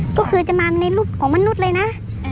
ก็คือจะมาในรูปของมนุษย์เลยนะ